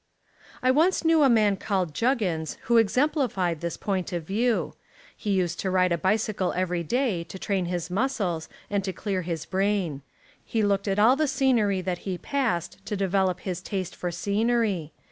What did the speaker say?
I once knew a man called Juggins who ex emphfied this point of view. He used to ride a bicycle every day to train his muscles and to clear his brain. He looked at all the scenery that he passed to develop his taste for scenery.